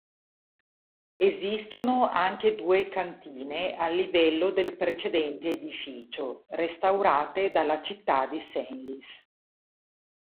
Esistono anche due cantine al livello del precedente edificio, restaurate dalla città di Senlis.